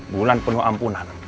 bulan penuh ampunan